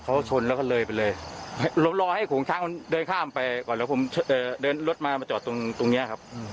เขาชนแล้วก็เลยไปเลย